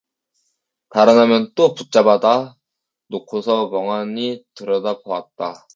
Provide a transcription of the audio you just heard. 달아나면 또 붙잡아다 놓고서 멍하니 들여다보았다.